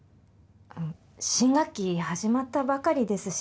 新学期始まったばかりですし